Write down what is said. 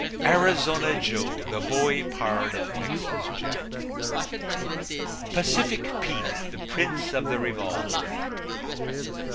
Arizona Joe, the Boy Pard of Texas Jack. Pacific Pete, the Prince of the Revolver.